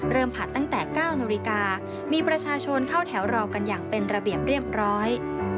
ผัดตั้งแต่๙นาฬิกามีประชาชนเข้าแถวรอกันอย่างเป็นระเบียบเรียบร้อย